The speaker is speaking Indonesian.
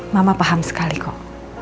mama paham sekali kok